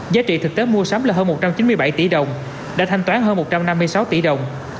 giá trị thực tế mua sắm là hơn một trăm chín mươi bảy tỷ đồng đã thanh toán hơn một trăm năm mươi sáu tỷ đồng